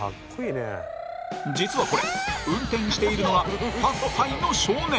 実は、これ運転しているのは８歳の少年。